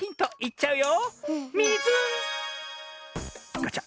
「ガチャ。